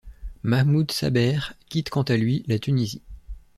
Mahmoud Saber quitte quant à lui la Tunisie.